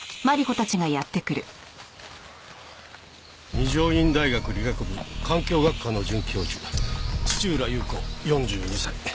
二条院大学理学部環境学科の准教授土浦裕子４２歳。